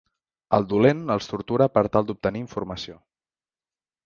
El dolent els tortura per tal d'obtenir informació.